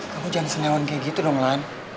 kamu jangan senewan kayak gitu dong lain